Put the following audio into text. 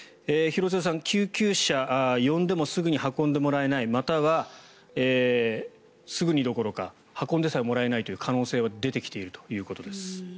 廣津留さん、救急車呼んでもすぐに運んでもらえないまたは、すぐにどころか運んでさえもらえないという可能性が出てきているということです。